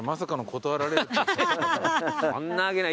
そんなわけない。